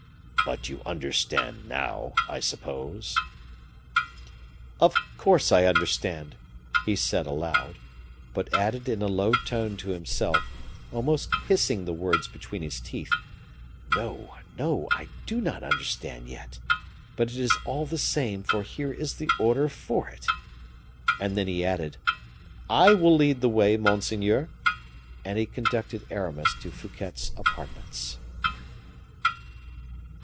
"But you understand now, I suppose?" "Of course I understand," he said aloud; but added in a low tone to himself, almost hissing the words between his teeth, "No, no, I do not understand yet. But it is all the same, for here is the order for it." And then he added, "I will lead the way, monseigneur," and he conducted Aramis to Fouquet's apartments.